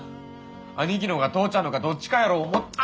兄貴のか父ちゃんのかどっちかやろ思あ